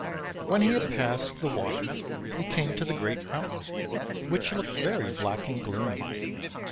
When he had passed the water he came to the great mountain, which looked very black and gloomy.